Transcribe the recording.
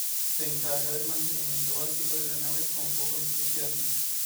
Se encarga del mantenimiento básico de la nave con poco entusiasmo.